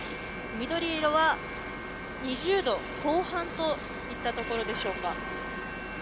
緑色は２０度後半といったところでしょうか。